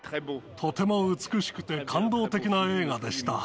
とても美しくて感動的な映画でした。